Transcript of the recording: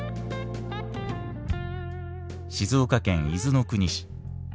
静岡県伊豆の国市。